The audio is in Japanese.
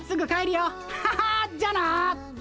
ハハじゃあな。